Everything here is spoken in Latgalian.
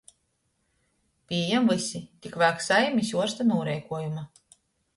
Pījam vysi, tik vajag saimis uorsta nūreikuojuma.